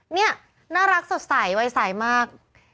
นี่น่ารักสดใสวัยใสมาก